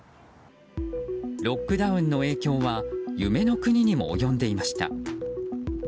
ロックダウンの影響は夢の国にも及んでいました。